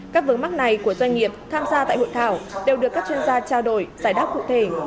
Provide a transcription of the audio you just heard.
các vướng mắt này của doanh nghiệp tham gia tại hội thảo đều được các chuyên gia trao đổi giải đáp cụ thể